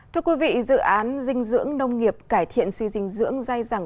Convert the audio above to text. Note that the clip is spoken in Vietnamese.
thưa quý vị dự án dinh dưỡng nông nghiệp cải thiện suy dinh dưỡng dai dẳng